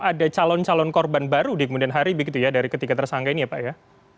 ada calon calon korban baru di kemudian hari begitu ya dari ketiga tersangka ini ya pak ya